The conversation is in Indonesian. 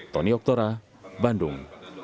tony oktora bandung